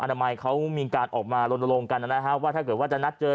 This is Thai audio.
นามัยเขามีการออกมาลนลงกันนะฮะว่าถ้าเกิดว่าจะนัดเจอ